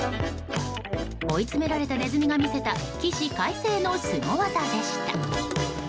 追い詰められたネズミが見せた起死回生のスゴ技でした。